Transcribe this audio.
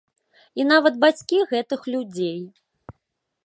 І нават бацькі гэтых людзей.